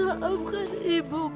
saat mulia yakin